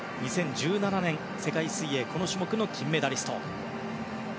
２０１７年世界水泳、この種目の金メダリスト。